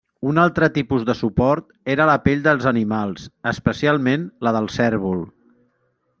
Un altre tipus de suport era la pell dels animals, especialment la del cérvol.